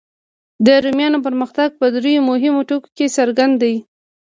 د رومیانو پرمختګ په دریو مهمو ټکو کې څرګند دی.